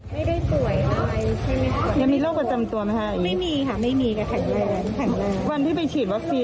ไม่ไปกับคุณทวัฒน์คือไปวันที่๑๒